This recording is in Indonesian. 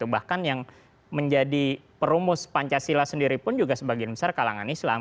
bahkan yang menjadi perumus pancasila sendiri pun juga sebagian besar kalangan islam